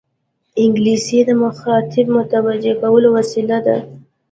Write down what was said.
انګلیسي د مخاطب متوجه کولو وسیله ده